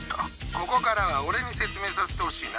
ここからは俺に説明させてほしいな。